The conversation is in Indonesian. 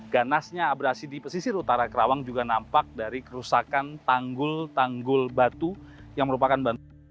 ganasnya abrasi di pesisir utara kerawang juga nampak dari kerusakan tanggul tanggul batu yang merupakan